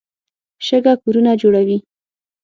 شګه کورونه جوړوي.